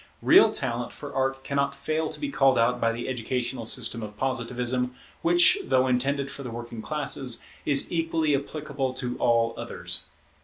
Real talent for Art cannot fail to be called out by the educational system of Positivism, which, though intended for the working classes, is equally applicable to all others.